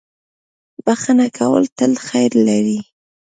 • بښنه کول تل خیر لري.